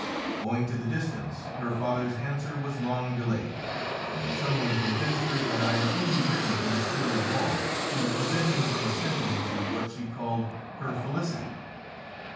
Owing to the distance, her father's answer was long delayed, and some one convinced her that I had only written to M. Lebrun to prevent him from assenting to what she called her felicity.